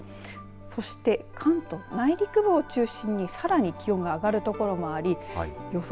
そして関東内陸部を中心にさらに気温が上がるところもあり予想